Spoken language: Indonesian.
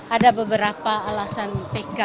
ada beberapa alasan pk